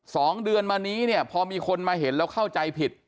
สองเดือนมานี้เนี่ยพอมีคนมาเห็นแล้วเข้าใจผิด